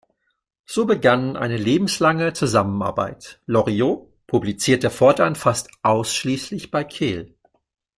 So begann eine lebenslange Zusammenarbeit: Loriot publizierte fortan fast ausschließlich bei Keel.